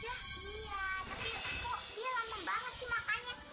iya tapi kok dia lanem banget sih makannya